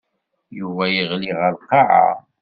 Yuba yeɣli ɣer lqaɛa.